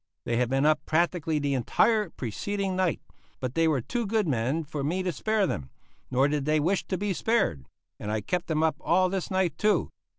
They had been up practically the entire preceding night, but they were too good men for me to spare them, nor did they wish to be spared; and I kept them up all this night too.